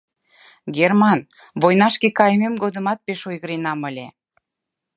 Герман войнашке кайымем годымат пеш ойгыренам ыле...